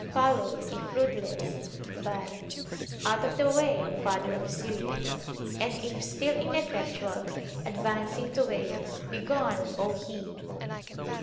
followed, if fruitless, by Out of the way, O Father of Syria[FN#8]! and if still ineffectual, advancing to a Begone, O he!